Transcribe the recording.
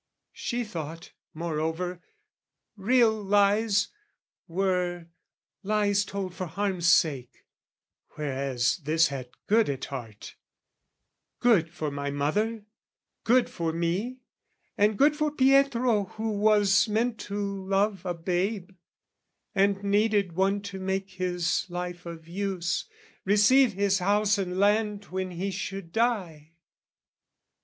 She thought, moreover, real lies were lies told For harm's sake; whereas this had good at heart, Good for my mother, good for me, and good For Pietro who was meant to love a babe, And needed one to make his life of use, Receive his house and land when he should die.